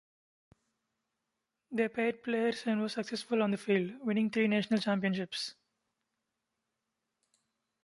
They paid players and were successful on the field, winning three National Championships.